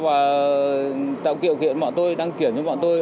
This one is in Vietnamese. và tạo điều kiện bọn tôi đăng kiểm cho bọn tôi